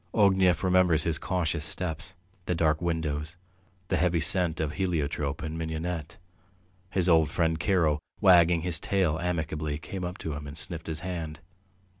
... Ognev remembers his cautious steps, the dark windows, the heavy scent of heliotrope and mignonette. His old friend Karo, wagging his tail amicably, came up to him and sniffed his hand.